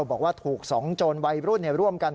บอกว่าถูก๒โจรวัยรุ่นร่วมกัน